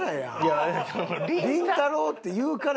「りんたろー。」って言うから。